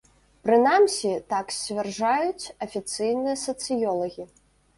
Прынамсі, так сцвярджаюць афіцыйныя сацыёлагі.